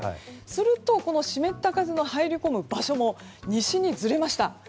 すると湿った風の入り込む場所も西にずれました。